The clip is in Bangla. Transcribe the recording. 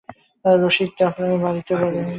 রসিক প্রায় বাড়ির বাহিরে বাহিরেই কাটায়।